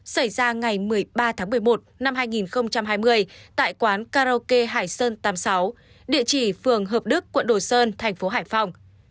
xảy ra ngày một mươi ba tháng một mươi một năm hai nghìn hai mươi tại quán karaoke hải sơn tám mươi sáu địa chỉ phường hợp đức quận đồ sơn thành phố hải phòng